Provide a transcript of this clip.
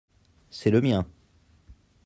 c'est le mien.